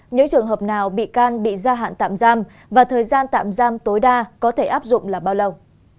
những trường hợp nào bị can bị gia hạn tạm giam và thời gian tạm giam tối đa có thể áp dụng là bao lâu